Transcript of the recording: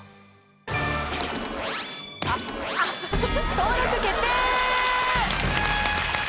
登録決定！